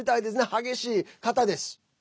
激しい方です。